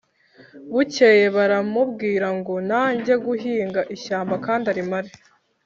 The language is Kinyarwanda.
bukeye baramubwira ngo najye guhinga ishyamba kandi arimare